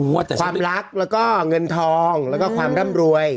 ความรักแล้วก็เงินทองแล้วก็ความร่ำรวย